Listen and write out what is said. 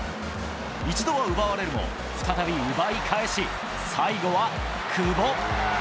一度は奪われるも、再び奪い返し、最後は久保。